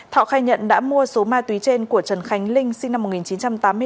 thọ khai nhận đã mua số ma túy trên của trần khánh linh sinh năm một nghìn chín trăm tám mươi năm